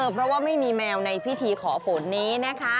เพราะว่าไม่มีแมวในพิธีขอฝนนี้นะคะ